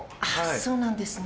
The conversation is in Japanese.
そうなんですね。